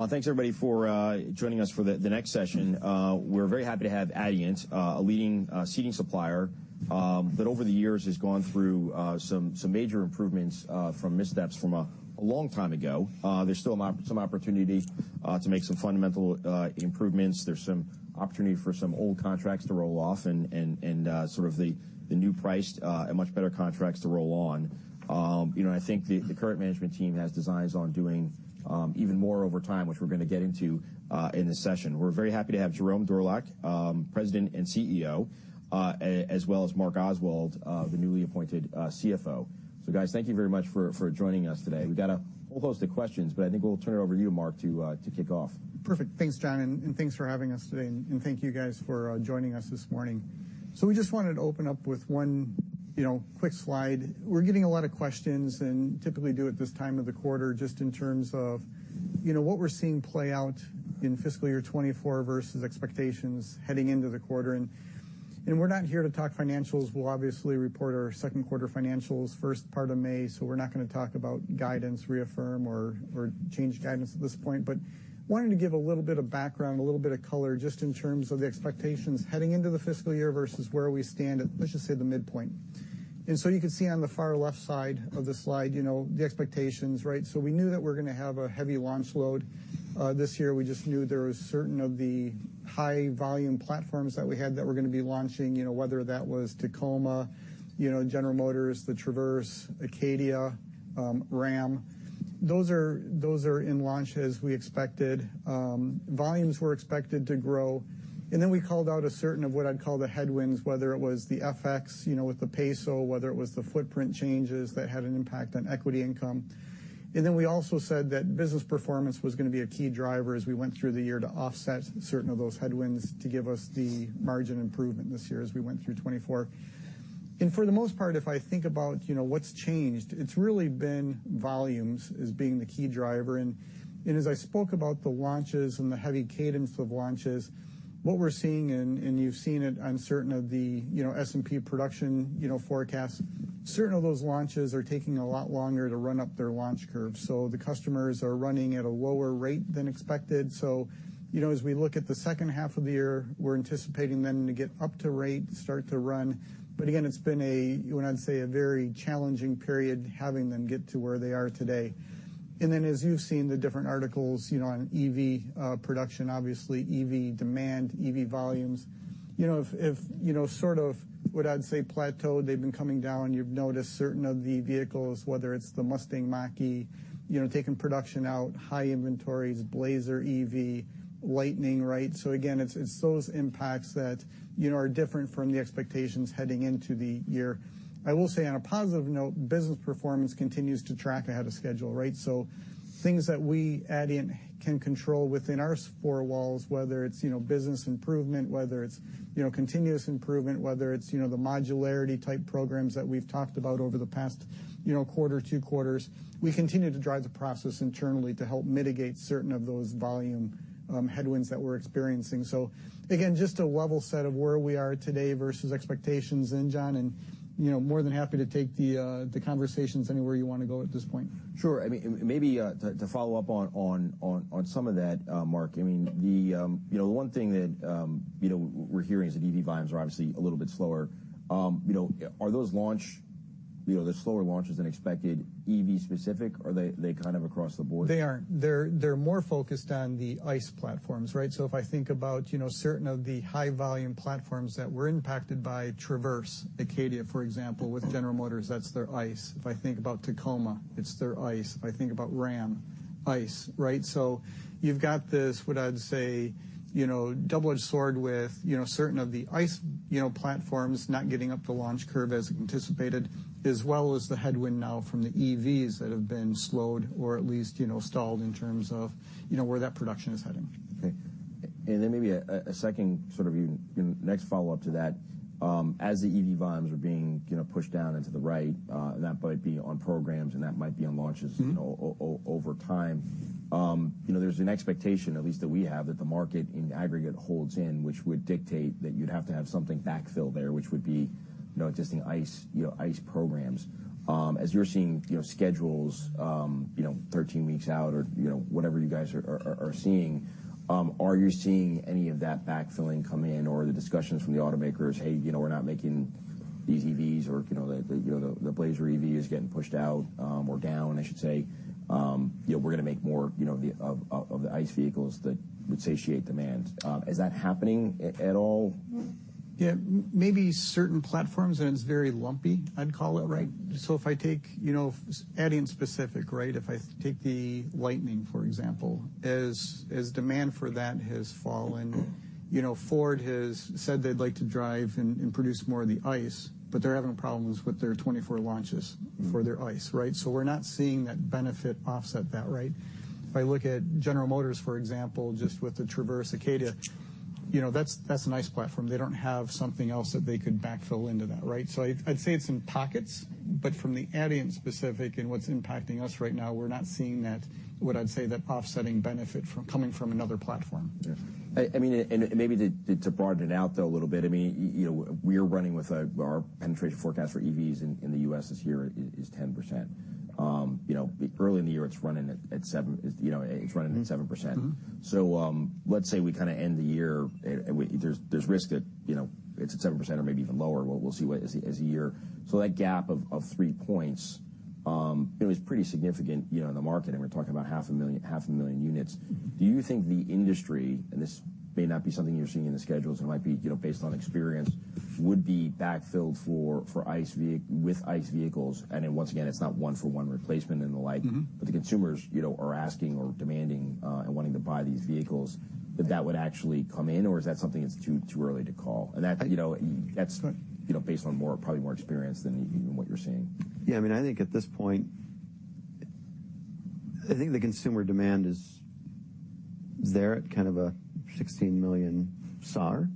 Well, thanks, everybody, for joining us for the next session. We're very happy to have Adient, a leading seating supplier, that over the years has gone through some major improvements from missteps from a long time ago. There's still an opportunity to make some fundamental improvements. There's some opportunity for some old contracts to roll off and sort of the new price and much better contracts to roll on. You know, and I think the current management team has designs on doing even more over time, which we're gonna get into in this session. We're very happy to have Jérôme Dorlack, President and CEO, as well as Mark Oswald, the newly appointed CFO. Guys, thank you very much for joining us today. We've got a whole host of questions, but I think we'll turn it over to you, Mark, to kick off. Perfect. Thanks, John, and, and thanks for having us today, and thank you guys for joining us this morning. So we just wanted to open up with one, you know, quick slide. We're getting a lot of questions, and typically do at this time of the quarter, just in terms of, you know, what we're seeing play out in fiscal year 2024 versus expectations heading into the quarter. And, and we're not here to talk financials. We'll obviously report our second quarter financials first part of May, so we're not gonna talk about guidance, reaffirm, or, or change guidance at this point. But wanted to give a little bit of background, a little bit of color, just in terms of the expectations heading into the fiscal year versus where we stand at, let's just say the midpoint. You can see on the far left side of the slide, you know, the expectations, right? We knew that we're gonna have a heavy launch load this year. We just knew there was certain of the high-volume platforms that we had that we're gonna be launching, you know, whether that was Tacoma, you know, General Motors, the Traverse, Acadia, Ram. Those are, those are in launch as we expected. Volumes were expected to grow, and then we called out a certain of what I'd call the headwinds, whether it was the FX, you know, with the peso, whether it was the footprint changes that had an impact on equity income. And then we also said that business performance was gonna be a key driver as we went through the year to offset certain of those headwinds to give us the margin improvement this year as we went through 2024. And for the most part, if I think about, you know, what's changed, it's really been volumes as being the key driver. And as I spoke about the launches and the heavy cadence of launches, what we're seeing, and you've seen it on certain of the, you know, S&P production, you know, forecasts, certain of those launches are taking a lot longer to run up their launch curve. So the customers are running at a lower rate than expected. So, you know, as we look at the second half of the year, we're anticipating them to get up to rate, start to run. But again, it's been a, what I'd say, a very challenging period, having them get to where they are today. And then, as you've seen the different articles, you know, on EV production, obviously EV demand, EV volumes, you know, if you know, sort of what I'd say, plateaued, they've been coming down. You've noticed certain of the vehicles, whether it's the Mustang Mach-E, you know, taking production out, high inventories, Blazer EV, Lightning, right? So again, it's those impacts that, you know, are different from the expectations heading into the year. I will say, on a positive note, business performance continues to track ahead of schedule, right? So things that we, Adient, can control within our four walls, whether it's, you know, business improvement, whether it's, you know, continuous improvement, whether it's, you know, the modularity type programs that we've talked about over the past, you know, quarter, two quarters, we continue to drive the process internally to help mitigate certain of those volume headwinds that we're experiencing. So again, just a level set of where we are today versus expectations then, John, and, you know, more than happy to take the conversations anywhere you want to go at this point. Sure. I mean, and maybe to follow up on some of that, Mark, I mean, the you know, the one thing that you know, we're hearing is that EV volumes are obviously a little bit slower. You know, are those launch... You know, the slower launches than expected, EV specific, or they kind of across the board? They aren't. They're, they're more focused on the ICE platforms, right? So if I think about, you know, certain of the high-volume platforms that were impacted by Traverse, Acadia, for example, with General Motors, that's their ICE. If I think about Tacoma, it's their ICE. If I think about Ram, ICE, right? So you've got this, what I'd say, you know, double-edged sword with, you know, certain of the ICE, you know, platforms not getting up the launch curve as anticipated, as well as the headwind now from the EVs that have been slowed or at least, you know, stalled in terms of, you know, where that production is heading. Okay. And then maybe a second sort of even, you know, next follow-up to that. As the EV volumes are being, you know, pushed down into the right, that might be on programs, and that might be on launches- Mm-hmm. You know, over time. You know, there's an expectation, at least, that we have, that the market in aggregate holds in, which would dictate that you'd have to have something backfill there, which would be, you know, existing ICE, you know, ICE programs. As you're seeing, you know, schedules, you know, 13 weeks out or, you know, whatever you guys are seeing, are you seeing any of that backfilling come in or the discussions from the automakers, "Hey, you know, we're not making these EVs," or, you know, "the Blazer EV is getting pushed out, or down," I should say, "You know, we're gonna make more, you know, of the ICE vehicles that would satiate demand." Is that happening at all? Yeah. Maybe certain platforms, and it's very lumpy, I'd call it, right? So if I take, you know, saying specific, right? If I take the Lightning, for example, as demand for that has fallen, you know, Ford has said they'd like to drive and produce more of the ICE, but they're having problems with their 2024 launches- Mm. For their ICE, right? So we're not seeing that benefit offset that, right? If I look at General Motors, for example, just with the Traverse, Acadia, you know, that's a nice platform. They don't have something else that they could backfill into that, right? So I'd say it's in pockets, but from the Adient-specific and what's impacting us right now, we're not seeing that, what I'd say, that offsetting benefit from coming from another platform. Yeah. I mean, and maybe to broaden it out, though, a little bit, I mean, you know, we are running with our penetration forecast for EVs in the U.S. this year is 10%.... Early in the year, it's running at seven, you know, it's running at 7%. Mm-hmm. So, let's say we kind of end the year, and we, there's risk that, you know, it's at 7% or maybe even lower. We'll see what as the year... So that gap of three points, it was pretty significant, you know, in the market, and we're talking about 500,000 units. Do you think the industry, and this may not be something you're seeing in the schedules, it might be, you know, based on experience, would be backfilled for ICE ve- with ICE vehicles? And then, once again, it's not one for one replacement and the like- Mm-hmm. But the consumers, you know, are asking or demanding, and wanting to buy these vehicles, that that would actually come in, or is that something that's too, too early to call? And that, you know, that's- Right. you know, based on more, probably more experience than even what you're seeing. Yeah, I mean, I think at this point, I think the consumer demand is, is there at kind of a 16 million SAAR.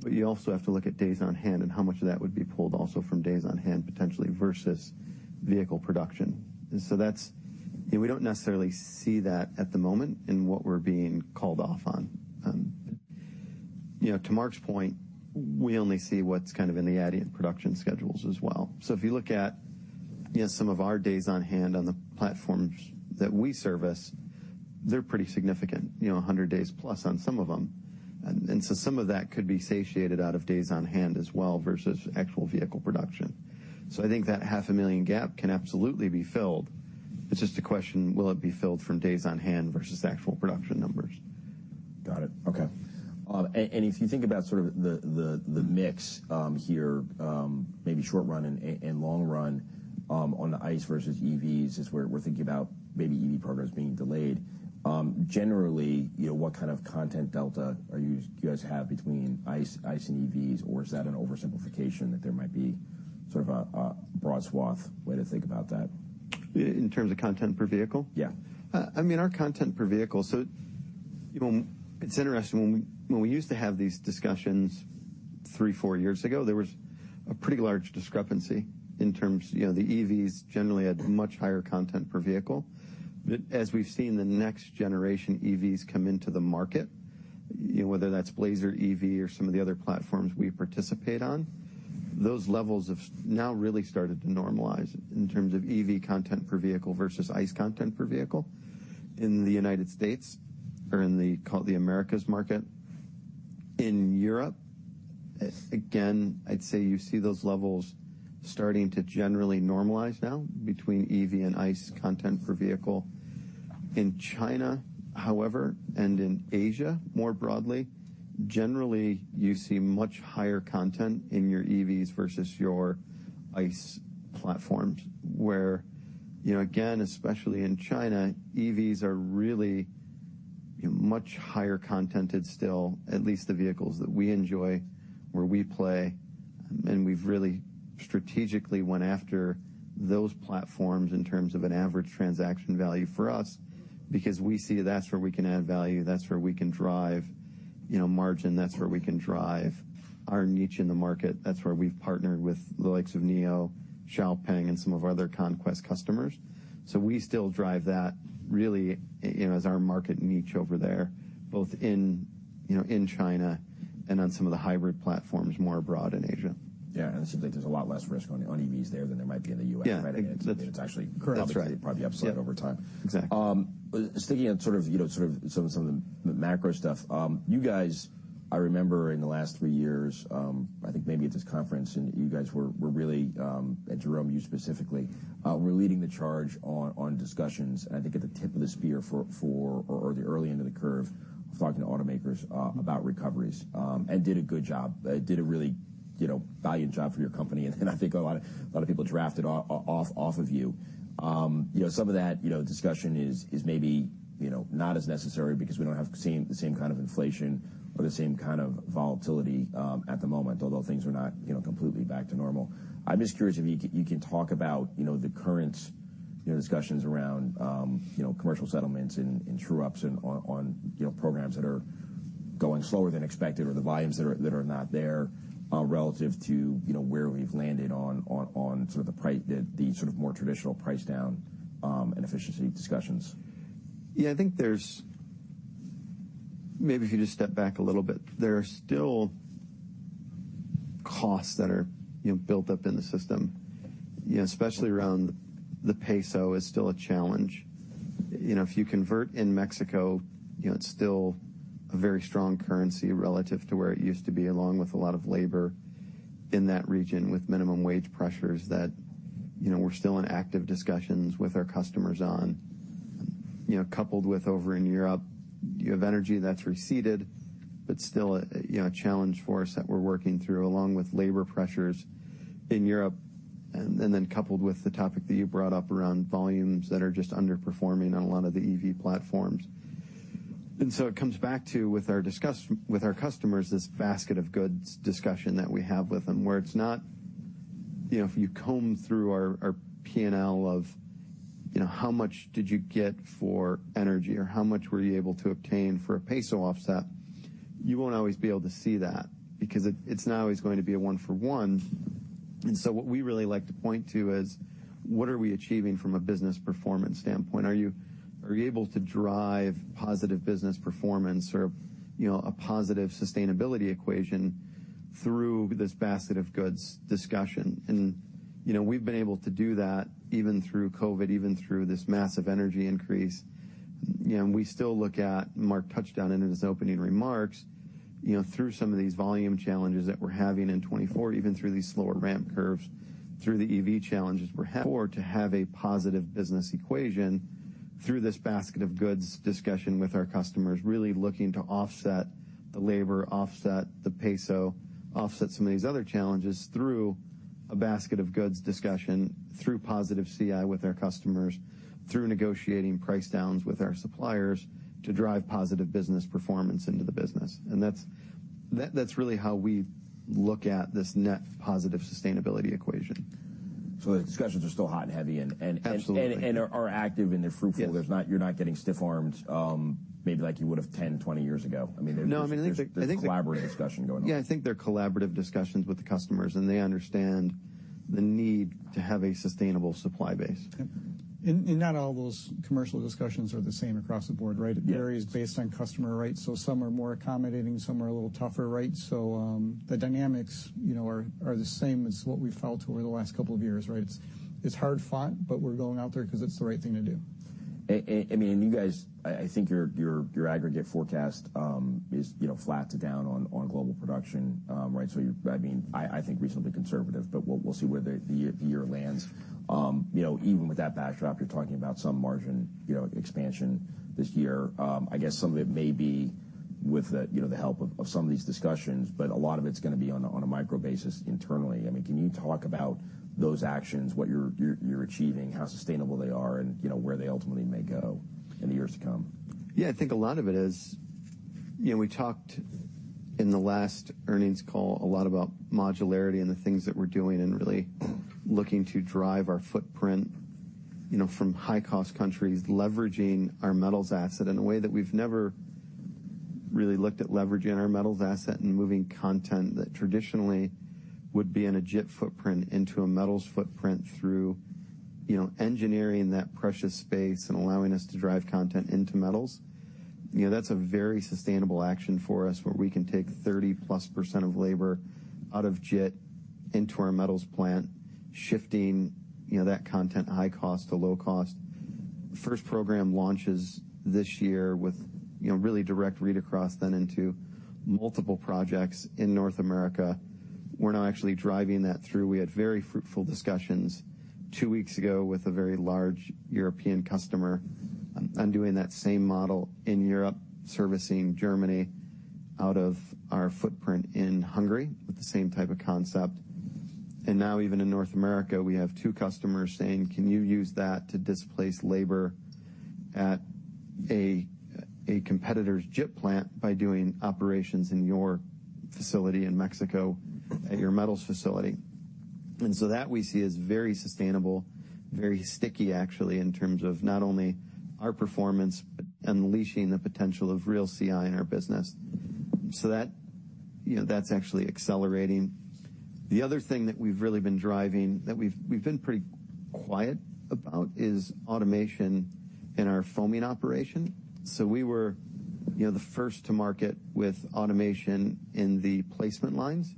But you also have to look at days on hand and how much of that would be pulled also from days on hand, potentially, versus vehicle production. And so that's. And we don't necessarily see that at the moment in what we're being called off on. You know, to Mark's point, we only see what's kind of in the Adient production schedules as well. So if you look at, you know, some of our days on hand on the platforms that we service, they're pretty significant, you know, 100 days plus on some of them. And so some of that could be satiated out of days on hand as well versus actual vehicle production. So I think that half a million gap can absolutely be filled. It's just a question, will it be filled from days on hand versus the actual production numbers? Got it. Okay. And if you think about sort of the mix here, maybe short run and long run, on the ICE versus EVs, as we're thinking about maybe EV programs being delayed. Generally, you know, what kind of content delta do you guys have between ICE and EVs, or is that an oversimplification, that there might be sort of a broad swath way to think about that? In terms of content per vehicle? Yeah. I mean, our content per vehicle. So, you know, it's interesting, when we used to have these discussions 3, 4 years ago, there was a pretty large discrepancy in terms... You know, the EVs generally had much higher content per vehicle. But as we've seen the next generation EVs come into the market, you know, whether that's Blazer EV or some of the other platforms we participate on, those levels have now really started to normalize in terms of EV content per vehicle versus ICE content per vehicle in the United States or in the, call it, the Americas market. In Europe, again, I'd say you see those levels starting to generally normalize now between EV and ICE content per vehicle. In China, however, and in Asia, more broadly, generally, you see much higher content in your EVs versus your ICE platforms, where, you know, again, especially in China, EVs are really much higher content still, at least the vehicles that we enjoy, where we play. And we've really strategically went after those platforms in terms of an average transaction value for us, because we see that's where we can add value, that's where we can drive, you know, margin, that's where we can drive our niche in the market. That's where we've partnered with the likes of NIO, XPeng, and some of our other conquest customers. So we still drive that, really, you know, as our market niche over there, both in, you know, in China and on some of the hybrid platforms more abroad in Asia. Yeah, and it seems like there's a lot less risk on, on EVs there than there might be in the U.S. Yeah. It's actually- Correct. That's right. Probably upside over time. Exactly. Sticking on sort of, you know, sort of some of the macro stuff. You guys, I remember in the last three years, I think maybe at this conference, and you guys were really, and Jerome, you specifically, were leading the charge on discussions, and I think at the tip of the spear for, or the early end of the curve, talking to automakers about recoveries, and did a good job. Did a really, you know, valiant job for your company. And I think a lot of people drafted off of you. You know, some of that, you know, discussion is maybe, you know, not as necessary because we don't have the same kind of inflation or the same kind of volatility at the moment, although things are not, you know, completely back to normal. I'm just curious if you can talk about, you know, the current, you know, discussions around, you know, commercial settlements and interrupts on, you know, programs that are going slower than expected or the volumes that are not there relative to, you know, where we've landed on sort of the more traditional price down and efficiency discussions. Yeah, I think there's... Maybe if you just step back a little bit. There are still costs that are, you know, built up in the system, you know, especially around the peso, is still a challenge. You know, if you convert in Mexico, you know, it's still a very strong currency relative to where it used to be, along with a lot of labor in that region, with minimum wage pressures that, you know, we're still in active discussions with our customers on. You know, coupled with over in Europe, you have energy that's receded, but still a, you know, a challenge for us that we're working through, along with labor pressures in Europe, and, and then coupled with the topic that you brought up around volumes that are just underperforming on a lot of the EV platforms. And so it comes back to, with our customers, this basket of goods discussion that we have with them, where it's not... You know, if you comb through our P&L, you know, how much did you get for energy or how much were you able to obtain for a peso offset, you won't always be able to see that because it's not always going to be a one for one. And so what we really like to point to is, what are we achieving from a business performance standpoint? Are you able to drive positive business performance or, you know, a positive sustainability equation?... through this basket of goods discussion. And, you know, we've been able to do that even through COVID, even through this massive energy increase. You know, and we still look at, Mark touched on it in his opening remarks, you know, through some of these volume challenges that we're having in 2024, even through these slower ramp curves, through the EV challenges we're having, or to have a positive business equation through this basket of goods discussion with our customers, really looking to offset the labor, offset the peso, offset some of these other challenges through a basket of goods discussion, through positive CI with our customers, through negotiating price downs with our suppliers to drive positive business performance into the business. And that's really how we look at this net positive sustainability equation. So the discussions are still hot and heavy. Absolutely. And they are active, and they're fruitful. Yes. You're not getting stiff-armed, maybe like you would have 10, 20 years ago. I mean, there's- No, I mean, I think- There's collaborative discussion going on. Yeah, I think they're collaborative discussions with the customers, and they understand the need to have a sustainable supply base. Yep. And not all those commercial discussions are the same across the board, right? Yes. It varies based on customer, right? So some are more accommodating, some are a little tougher, right? So, the dynamics, you know, are the same as what we've felt over the last couple of years, right? It's hard fought, but we're going out there because it's the right thing to do. I mean, you guys, I think your aggregate forecast is, you know, flat to down on global production, right? So, I mean, I think reasonably conservative, but we'll see where the year lands. You know, even with that backdrop, you're talking about some margin, you know, expansion this year. I guess some of it may be with the, you know, the help of some of these discussions, but a lot of it's gonna be on a micro basis internally. I mean, can you talk about those actions, what you're achieving, how sustainable they are, and, you know, where they ultimately may go in the years to come? Yeah, I think a lot of it is. You know, we talked in the last earnings call a lot about modularity and the things that we're doing and really looking to drive our footprint, you know, from high-cost countries, leveraging our metals asset in a way that we've never really looked at leveraging our metals asset, and moving content that traditionally would be in a JIT footprint into a metals footprint through, you know, engineering that precious space and allowing us to drive content into metals. You know, that's a very sustainable action for us, where we can take 30%+ of labor out of JIT into our metals plant, shifting, you know, that content high cost to low cost. First program launches this year with, you know, really direct read across, then into multiple projects in North America. We're now actually driving that through. We had very fruitful discussions two weeks ago with a very large European customer on doing that same model in Europe, servicing Germany out of our footprint in Hungary, with the same type of concept. And now, even in North America, we have two customers saying, "Can you use that to displace labor at a competitor's JIT plant by doing operations in your facility in Mexico, at your metals facility?" And so that we see as very sustainable, very sticky, actually, in terms of not only our performance, but unleashing the potential of real CI in our business. So that, you know, that's actually accelerating. The other thing that we've really been driving, that we've been pretty quiet about, is automation in our foaming operation. So we were, you know, the first to market with automation in the placement lines,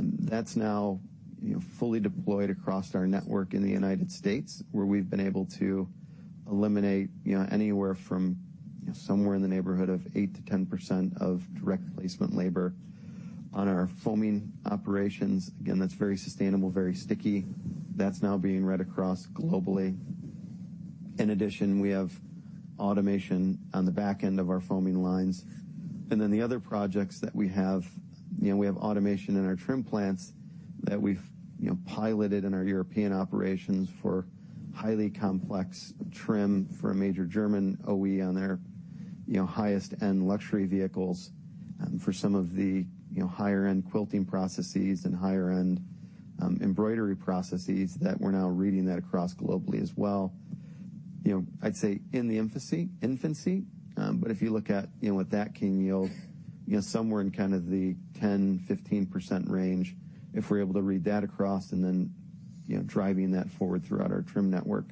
and that's now, you know, fully deployed across our network in the United States, where we've been able to eliminate, you know, anywhere from somewhere in the neighborhood of 8%-10% of direct placement labor on our foaming operations. Again, that's very sustainable, very sticky. That's now being rolled across globally. In addition, we have automation on the back end of our foaming lines, and then the other projects that we have, you know, we have automation in our trim plants that we've, you know, piloted in our European operations for highly complex trim for a major German OE on their, you know, highest-end luxury vehicles, for some of the, you know, higher-end quilting processes and higher-end embroidery processes that we're now rolling that across globally as well. You know, I'd say in the infancy, but if you look at, you know, what that can yield, you know, somewhere in kind of the 10%-15% range, if we're able to read that across and then, you know, driving that forward throughout our trim network.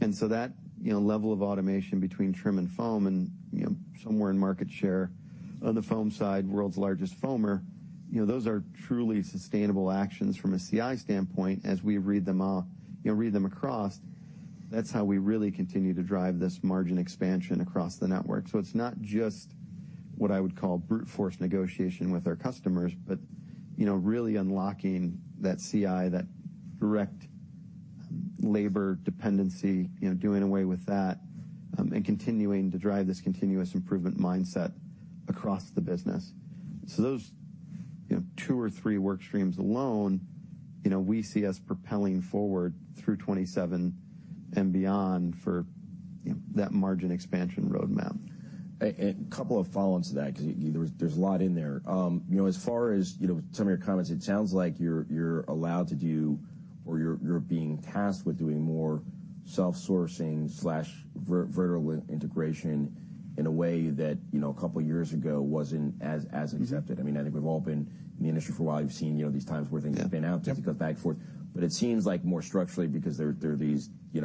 And so that, you know, level of automation between trim and foam and, you know, somewhere in market share on the foam side, world's largest foamer, you know, those are truly sustainable actions from a CI standpoint, as we read them all, you know, read them across. That's how we really continue to drive this margin expansion across the network. So it's not just what I would call brute force negotiation with our customers, but, you know, really unlocking that CI, that direct labor dependency, you know, doing away with that, and continuing to drive this continuous improvement mindset across the business. So those, you know, two or three work streams alone, you know, we see us propelling forward through 2027 and beyond for, you know, that margin expansion roadmap. A couple of follow-ons to that, because there's a lot in there. You know, as far as, you know, some of your comments, it sounds like you're allowed to do or you're being tasked with doing more self-sourcing slash vertical integration in a way that, you know, a couple of years ago wasn't as accepted. Mm-hmm. I mean, I think we've all been in the industry for a while. You've seen, you know, these times where things spin out- Yeah. -just go back and forth. But it seems like more structurally, because there, there are these, you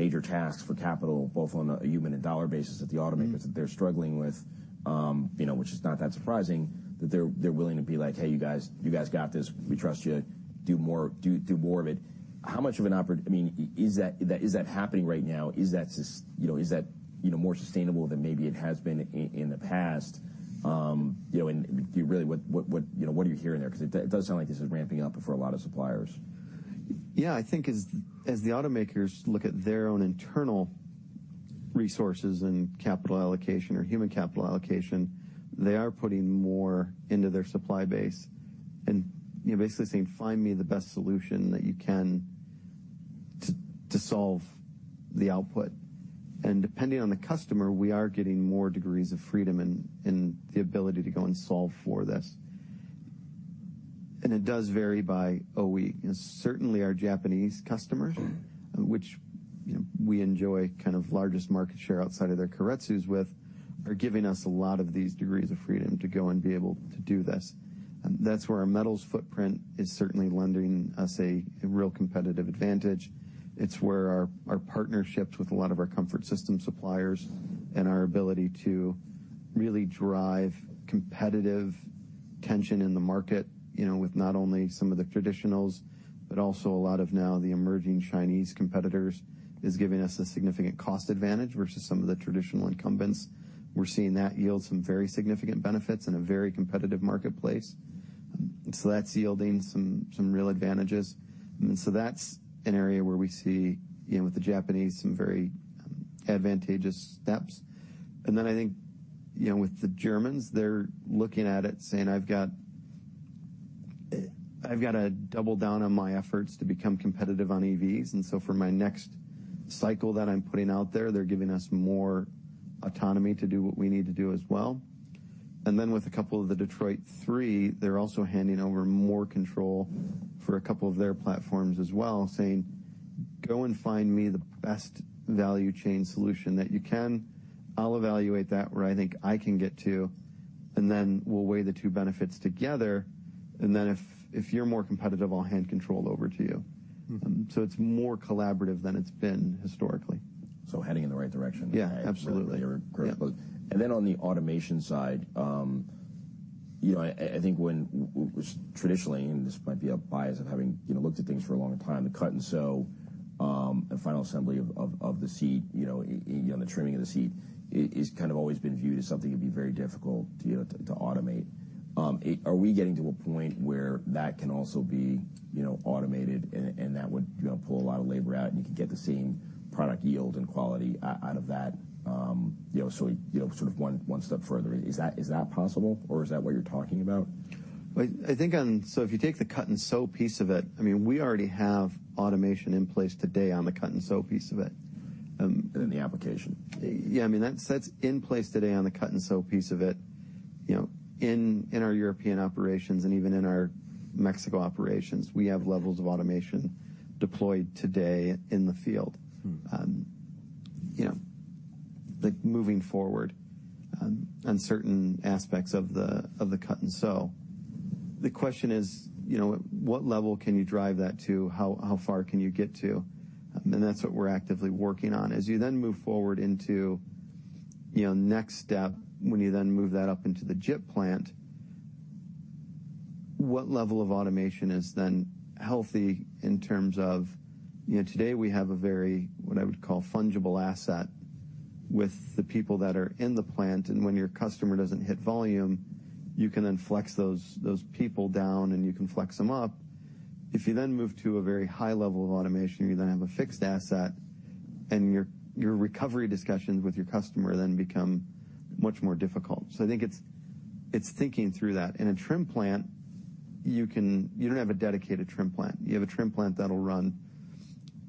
know-...major tasks for capital, both on a human and dollar basis at the automakers, that they're struggling with, you know, which is not that surprising, that they're, they're willing to be like: "Hey, you guys, you guys got this. We trust you. Do more, do, do more of it." How much of an opport-- I mean, is that, is that happening right now? Is that sus- you know, is that, you know, more sustainable than maybe it has been in, in the past? You know, and really, what, what, what, you know, what are you hearing there? Because it does sound like this is ramping up for a lot of suppliers. Yeah, I think as the automakers look at their own internal resources and capital allocation or human capital allocation, they are putting more into their supply base and, you know, basically saying: "Find me the best solution that you can to solve the output." And depending on the customer, we are getting more degrees of freedom and the ability to go and solve for this. And it does vary by OE. And certainly, our Japanese customers- Mm-hmm. which, you know, we enjoy kind of largest market share outside of their keiretsus with, are giving us a lot of these degrees of freedom to go and be able to do this. And that's where our metals footprint is certainly lending us a real competitive advantage. It's where our partnerships with a lot of our comfort system suppliers and our ability to really drive competitive tension in the market, you know, with not only some of the traditionals, but also a lot of now the emerging Chinese competitors, is giving us a significant cost advantage versus some of the traditional incumbents. We're seeing that yield some very significant benefits in a very competitive marketplace. So that's yielding some real advantages. And so that's an area where we see, you know, with the Japanese, some very advantageous steps. And then I think, you know, with the Germans, they're looking at it saying: "I've got, I've got to double down on my efforts to become competitive on EVs, and so for my next cycle that I'm putting out there, they're giving us more autonomy to do what we need to do as well." And then with a couple of the Detroit Three, they're also handing over more control for a couple of their platforms as well, saying: "Go and find me the best value chain solution that you can. I'll evaluate that where I think I can get to, and then we'll weigh the two benefits together, and then if you're more competitive, I'll hand control over to you. Mm-hmm. It's more collaborative than it's been historically. Heading in the right direction? Yeah, absolutely. Yeah. And then on the automation side, you know, I think when traditionally, and this might be a bias of having, you know, looked at things for a long time, the cut-and-sew, and final assembly of the seat, you know, you know, the trimming of the seat, it's kind of always been viewed as something that'd be very difficult to automate. Are we getting to a point where that can also be, you know, automated, and that would, you know, pull a lot of labor out, and you can get the same product yield and quality out of that? You know, so, you know, sort of one step further. Is that possible, or is that what you're talking about? Well, I think on... So if you take the cut-and-sew piece of it, I mean, we already have automation in place today on the cut-and-sew piece of it. In the application. Yeah, I mean, that's in place today on the cut-and-sew piece of it. You know, in our European operations and even in our Mexico operations, we have levels of automation deployed today in the field. Mm-hmm. You know, like, moving forward on, on certain aspects of the, of the cut and sew. The question is, you know, what level can you drive that to? How, how far can you get to? And that's what we're actively working on. As you then move forward into, you know, next step, when you then move that up into the JIT plant, what level of automation is then healthy in terms of... You know, today, we have a very, what I would call, fungible asset with the people that are in the plant, and when your customer doesn't hit volume, you can then flex those, those people down, and you can flex them up. If you then move to a very high level of automation, you then have a fixed asset, and your, your recovery discussions with your customer then become much more difficult. So I think it's, it's thinking through that. In a trim plant, you don't have a dedicated trim plant. You have a trim plant that'll run,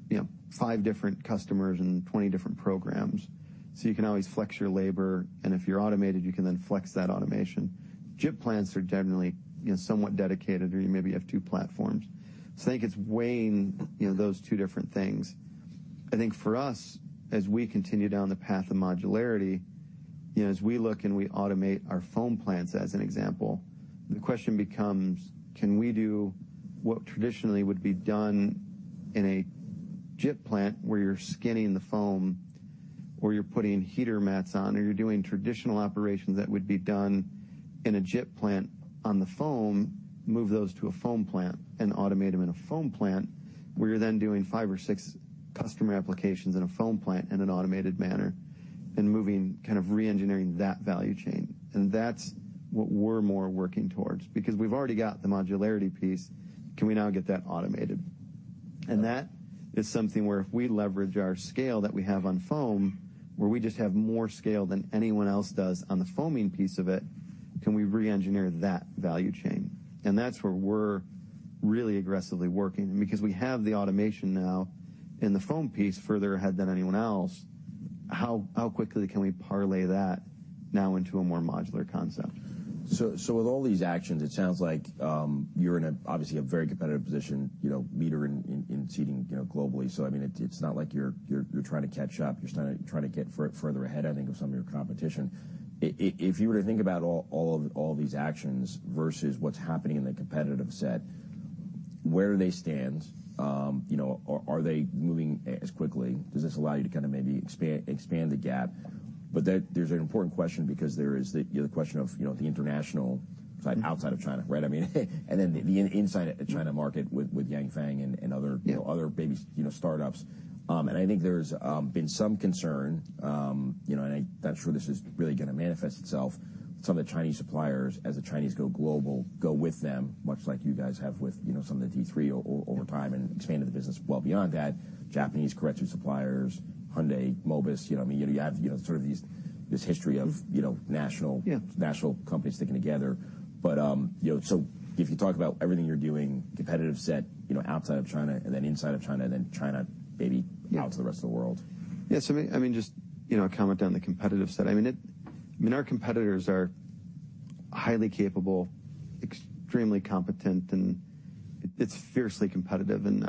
you know, five different customers and 20 different programs. So you can always flex your labor, and if you're automated, you can then flex that automation. JIT plants are generally, you know, somewhat dedicated, or you maybe have two platforms. So I think it's weighing, you know, those two different things. I think for us, as we continue down the path of modularity, you know, as we look and we automate our foam plants, as an example, the question becomes: Can we do what traditionally would be done in a trim plant, where you're skinning the foam, or you're putting heater mats on, or you're doing traditional operations that would be done in a trim plant on the foam, move those to a foam plant and automate them in a foam plant, where you're then doing five or six customer applications in a foam plant in an automated manner, and moving, kind of reengineering that value chain? And that's what we're more working towards. Because we've already got the modularity piece, can we now get that automated? Yeah. That is something where if we leverage our scale that we have on foam, where we just have more scale than anyone else does on the foaming piece of it, can we reengineer that value chain? That's where we're really aggressively working. Because we have the automation now in the foam piece further ahead than anyone else, how, how quickly can we parlay that now into a more modular concept? So, with all these actions, it sounds like you're in a obviously a very competitive position, you know, leader in seating, you know, globally. So, I mean, it's not like you're trying to catch up. You're trying to get further ahead, I think, of some of your competition. If you were to think about all of these actions versus what's happening in the competitive set... Where do they stand? You know, are they moving as quickly? Does this allow you to kind of maybe expand the gap? But then there's an important question because there is the question of, you know, the international side outside of China, right? I mean, and then the inside China market with Yanfeng and other- Yeah... you know, other big, you know, startups. And I think there's been some concern, you know, and I not sure this is really gonna manifest itself. Some of the Chinese suppliers, as the Chinese go global, go with them, much like you guys have with, you know, some of the D3 over time and expanded the business well beyond that, Japanese suppliers, Hyundai Mobis, you know, I mean, you have, you know, sort of these, this history of- Mm. you know, national- Yeah... national companies sticking together. But, you know, so if you talk about everything you're doing, competitive set, you know, outside of China and then inside of China, then China, maybe- Yeah... out to the rest of the world. Yes, I mean, just, you know, comment on the competitive side. I mean, our competitors are highly capable, extremely competent, and it's fiercely competitive, and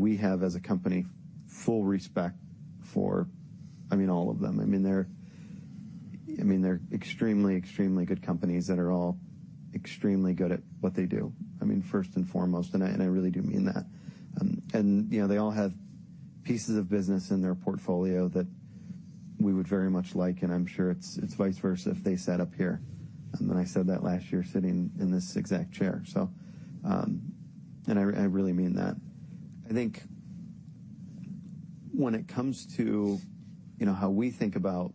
we have, as a company, full respect for, I mean, all of them. I mean, they're extremely, extremely good companies that are all extremely good at what they do. I mean, first and foremost, and I really do mean that. And, you know, they all have pieces of business in their portfolio that we would very much like, and I'm sure it's vice versa if they sat up here, and I said that last year sitting in this exact chair. So, I really mean that. I think when it comes to, you know, how we think about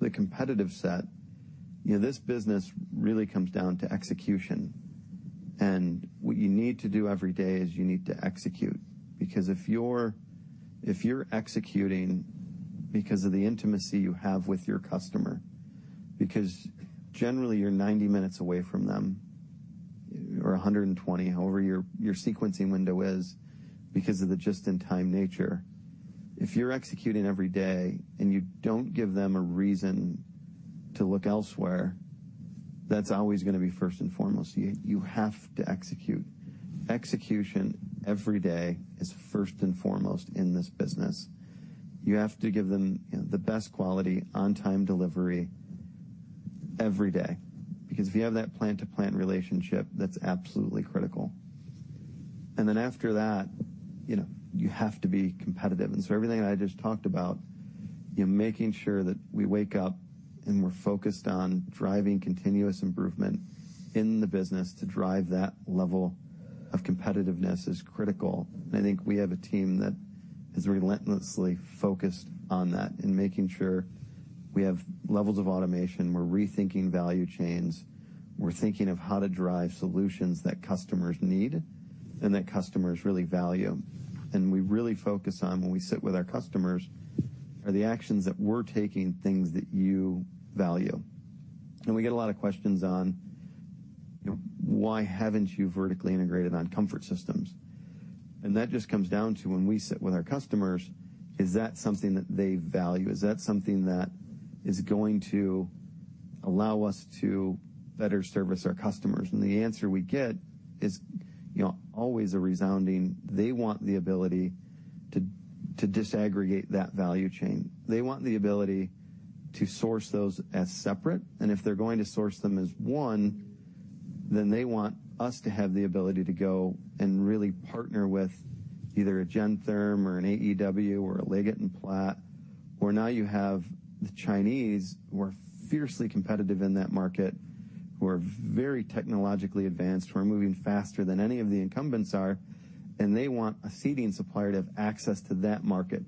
the competitive set, you know, this business really comes down to execution, and what you need to do every day is you need to execute. Because if you're, if you're executing because of the intimacy you have with your customer, because generally, you're 90 minutes away from them or 120, however, your, your sequencing window is, because of the just-in-time nature. If you're executing every day, and you don't give them a reason to look elsewhere, that's always gonna be first and foremost. You, you have to execute. Execution every day is first and foremost in this business. You have to give them, you know, the best quality, on-time delivery every day, because if you have that plant-to-plant relationship, that's absolutely critical. And then after that, you know, you have to be competitive. And so everything I just talked about, you're making sure that we wake up, and we're focused on driving continuous improvement in the business to drive that level of competitiveness is critical. And I think we have a team that is relentlessly focused on that and making sure we have levels of automation. We're rethinking value chains. We're thinking of how to drive solutions that customers need and that customers really value. And we really focus on when we sit with our customers, are the actions that we're taking, things that you value? And we get a lot of questions on, you know, "Why haven't you vertically integrated on comfort systems?" And that just comes down to when we sit with our customers, is that something that they value? Is that something that is going to allow us to better service our customers? The answer we get is, you know, always a resounding, they want the ability to disaggregate that value chain. They want the ability to source those as separate, and if they're going to source them as one, then they want us to have the ability to go and really partner with either a Gentherm or an AEW or a Leggett & Platt, where now you have the Chinese, who are fiercely competitive in that market, who are very technologically advanced, who are moving faster than any of the incumbents are, and they want a seating supplier to have access to that market.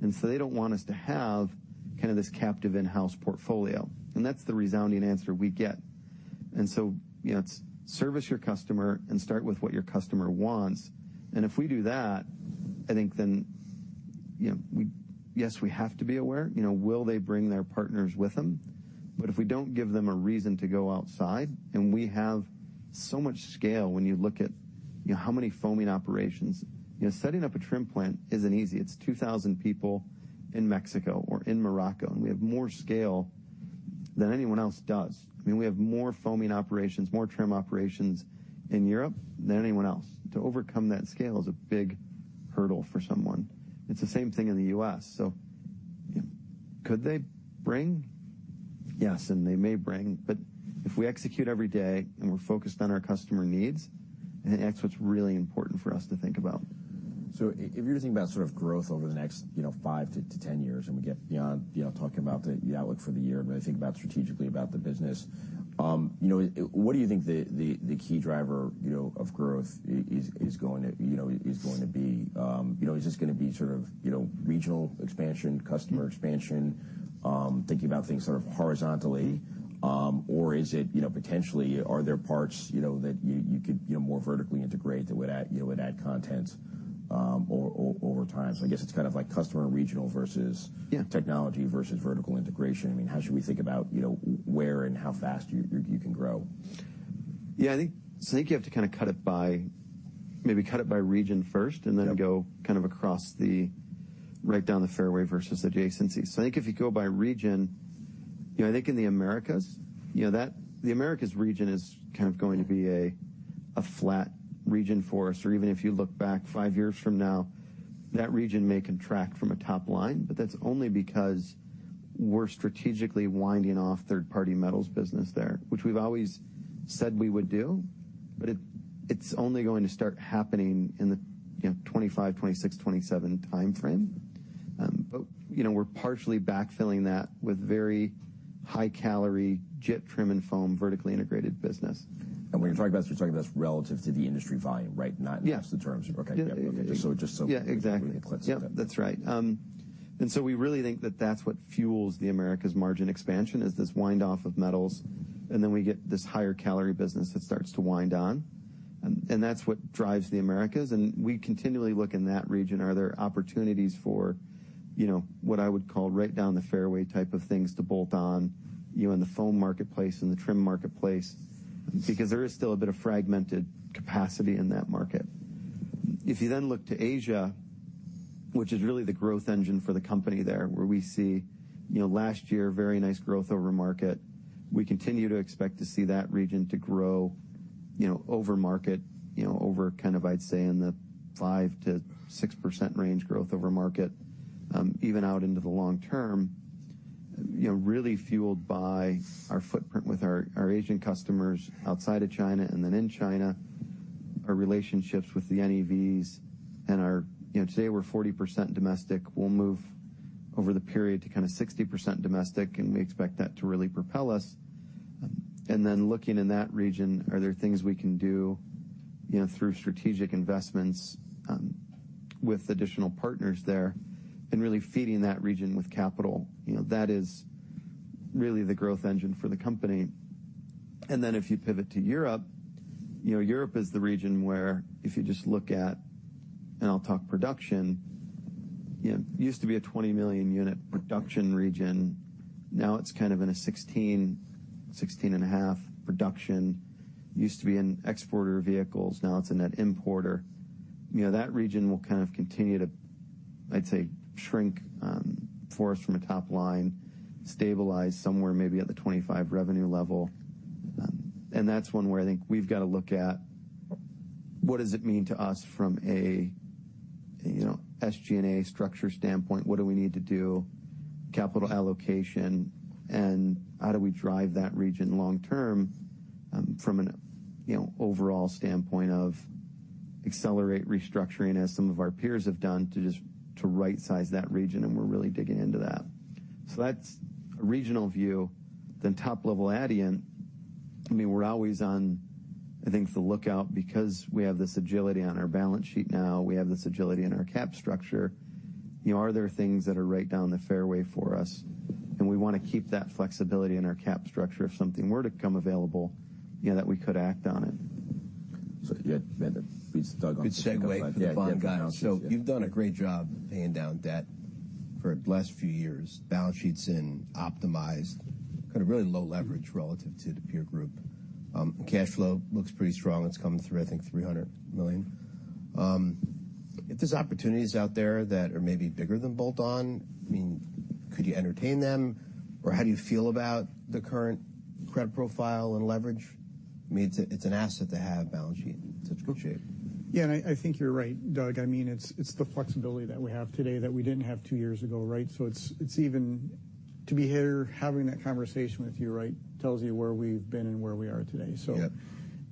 And so they don't want us to have kind of this captive in-house portfolio, and that's the resounding answer we get. And so, you know, it's service your customer and start with what your customer wants, and if we do that, I think then, you know, we... Yes, we have to be aware, you know, will they bring their partners with them? But if we don't give them a reason to go outside, and we have so much scale when you look at, you know, how many foaming operations. You know, setting up a trim plant isn't easy. It's 2,000 people in Mexico or in Morocco, and we have more scale than anyone else does. I mean, we have more foaming operations, more trim operations in Europe than anyone else. To overcome that scale is a big hurdle for someone. It's the same thing in the U.S. So, you know, could they bring? Yes, and they may bring, but if we execute every day, and we're focused on our customer needs, then that's what's really important for us to think about. So if you're thinking about sort of growth over the next, you know, 5 to 10 years, and we get beyond, you know, talking about the outlook for the year, but I think about strategically about the business. You know, what do you think the key driver of growth is going to be? You know, is this gonna be sort of regional expansion, customer expansion, thinking about things sort of horizontally? Or is it, you know, potentially, are there parts that you could more vertically integrate that would add content over time? So I guess it's kind of like customer and regional versus- Yeah... technology versus vertical integration. I mean, how should we think about, you know, where and how fast you, you can grow? Yeah, I think, so I think you have to kind of cut it by, maybe cut it by region first- Yep... and then go kind of across the, right down the fairway versus adjacencies. So I think if you go by region, you know, I think in the Americas, you know, that... The Americas region is kind of going to be a flat region for us. Or even if you look back five years from now, that region may contract from a top line, but that's only because we're strategically winding off third-party metals business there, which we've always said we would do. But it's only going to start happening in the, you know, 2025, 2026, 2027 timeframe. You know, we're partially backfilling that with very high-calorie JIT trim and foam, vertically integrated business. And when you're talking about this, you're talking about relative to the industry volume, right? Yeah. Not just the terms. Okay. Yeah. Just so- Yeah, exactly. Let's- Yep, that's right. And so we really think that that's what fuels the Americas margin expansion, is this wind-down of metals, and then we get this higher-calorie business that starts to wind on. And that's what drives the Americas, and we continually look in that region. Are there opportunities for, you know, what I would call right down the fairway type of things to bolt on, you know, in the foam marketplace and the trim marketplace? Because there is still a bit of fragmented capacity in that market. If you then look to Asia, which is really the growth engine for the company there, where we see, you know, last year, very nice growth over market. We continue to expect to see that region to grow, you know, over market, you know, over kind of, I'd say, in the 5%-6% range growth over market, even out into the long term. You know, really fueled by our footprint with our, our Asian customers outside of China, and then in China, our relationships with the NEVs and our... You know, today we're 40% domestic. We'll move over the period to kinda 60% domestic, and we expect that to really propel us. And then, looking in that region, are there things we can do, you know, through strategic investments, with additional partners there, and really feeding that region with capital? You know, that is really the growth engine for the company. Then, if you pivot to Europe, you know, Europe is the region where if you just look at, and I'll talk production, you know, it used to be a 20 million unit production region. Now it's kind of in a 16-16.5 production. Used to be an exporter of vehicles, now it's a net importer. You know, that region will kind of continue to, I'd say, shrink for us from a top line, stabilize somewhere maybe at the $25 million revenue level. And that's one where I think we've got to look at, what does it mean to us from a, you know, SG&A structure standpoint? What do we need to do, capital allocation, and how do we drive that region long term, from an, you know, overall standpoint of accelerate restructuring, as some of our peers have done, to just rightsize that region, and we're really digging into that. So that's a regional view. Then top-level add-in, I mean, we're always on, I think, the lookout because we have this agility on our balance sheet now. We have this agility in our cap structure. You know, are there things that are right down the fairway for us? And we wanna keep that flexibility in our cap structure if something were to come available, you know, that we could act on it. So you had made the... Doug? Good segue, by the way, guys. Yeah. So you've done a great job paying down debt for the last few years. Balance sheet's in, optimized, got a really low leverage relative to the peer group. Cash flow looks pretty strong. It's coming through, I think, $300 million. If there's opportunities out there that are maybe bigger than bolt-on, I mean, could you entertain them, or how do you feel about the current credit profile and leverage? I mean, it's, it's an asset to have balance sheet in such good shape. Yeah, I think you're right, Doug. I mean, it's the flexibility that we have today that we didn't have two years ago, right? So it's even... To be here, having that conversation with you, right, tells you where we've been and where we are today. Yeah. So,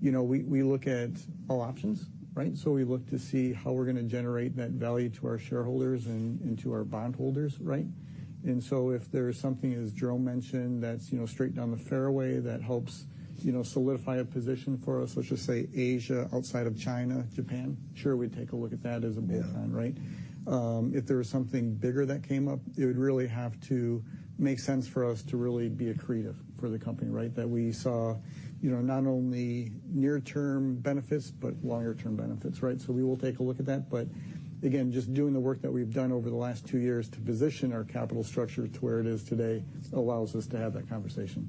you know, we look at all options, right? So we look to see how we're gonna generate net value to our shareholders and to our bondholders, right? And so if there is something, as Jerome mentioned, that's, you know, straight down the fairway, that helps, you know, solidify a position for us, let's just say Asia, outside of China, Japan, sure, we'd take a look at that as a bolt-on, right? Yeah. If there was something bigger that came up, it would really have to make sense for us to really be accretive for the company, right? That we saw, you know, not only near-term benefits, but longer-term benefits, right? We will take a look at that. Again, just doing the work that we've done over the last two years to position our capital structure to where it is today, allows us to have that conversation.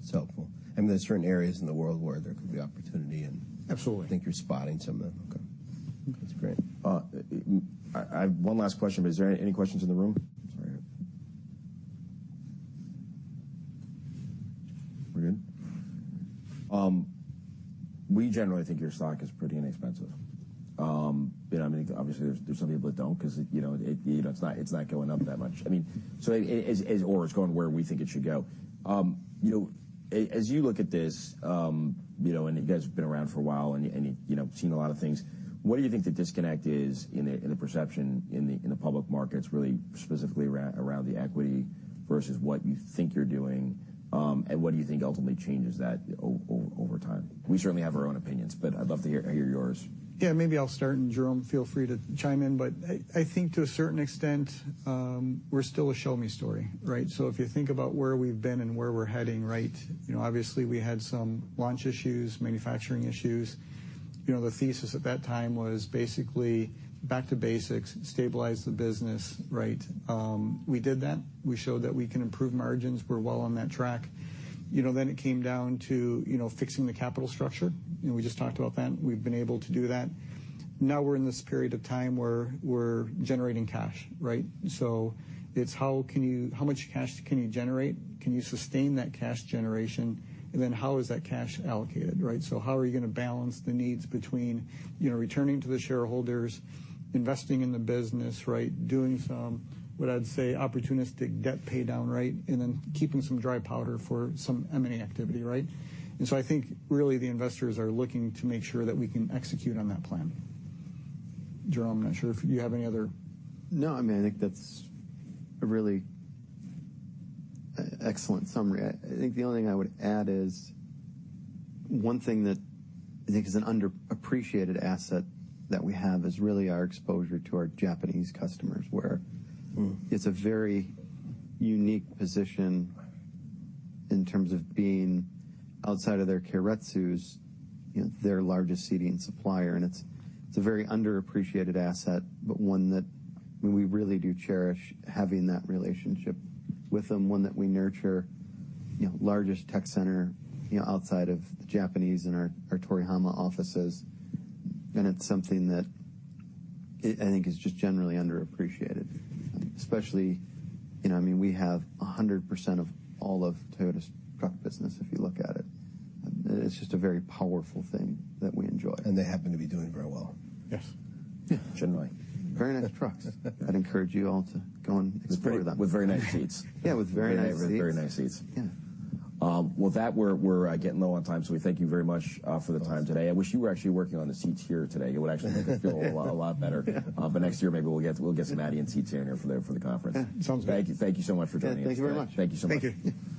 It's helpful. There are certain areas in the world where there could be opportunity and- Absolutely. I think you're spotting some of them. Okay. That's great. I have one last question, but is there any questions in the room? All right. We're good? We generally think your stock is pretty inexpensive. But, I mean, obviously, there's some people that don't, 'cause, you know, it, you know, it's not going up that much. I mean, so it is, or it's going where we think it should go. You know, as you look at this, you know, and you guys have been around for a while, and you, and you, you know, seen a lot of things, what do you think the disconnect is in the perception in the public markets, really specifically around the equity, versus what you think you're doing? And what do you think ultimately changes that over time? We certainly have our own opinions, but I'd love to hear yours. Yeah, maybe I'll start, and Jerome, feel free to chime in. But I, I think to a certain extent, we're still a show-me story, right? So if you think about where we've been and where we're heading, right, you know, obviously, we had some launch issues, manufacturing issues. You know, the thesis at that time was basically back to basics, stabilize the business, right? We did that. We showed that we can improve margins. We're well on that track. You know, then it came down to, you know, fixing the capital structure. You know, we just talked about that. We've been able to do that. Now we're in this period of time where we're generating cash, right? So it's how much cash can you generate? Can you sustain that cash generation? And then how is that cash allocated, right? So how are you gonna balance the needs between, you know, returning to the shareholders, investing in the business, right, doing some, what I'd say, opportunistic debt paydown, right? And then keeping some dry powder for some M&A activity, right? And so I think, really, the investors are looking to make sure that we can execute on that plan. Jerome, I'm not sure if you have any other- No, I mean, I think that's a really excellent summary. I think the only thing I would add is, one thing that I think is an underappreciated asset that we have is really our exposure to our Japanese customers, where- Mm-hmm... It's a very unique position in terms of being outside of their keiretsus, you know, their largest seating supplier, and it's a very underappreciated asset, but one that we really do cherish having that relationship with them, one that we nurture. You know, largest tech center, you know, outside of the Japanese in our Torihama offices, and it's something that I think is just generally underappreciated. Especially, you know, I mean, we have 100% of all of Toyota's truck business, if you look at it. It's just a very powerful thing that we enjoy. They happen to be doing very well. Yes. Yeah. Generally. Very nice trucks. I'd encourage you all to go and explore them. With very nice seats. Yeah, with very nice seats. Very nice seats. Yeah. With that, we're getting low on time, so we thank you very much for the time today. I wish you were actually working on the seats here today. It would actually make me feel a lot better. Yeah. But next year, maybe we'll get some Adient seats in here for the conference. Yeah, sounds good. Thank you. Thank you so much for joining us. Yeah, thank you very much. Thank you so much. Thank you.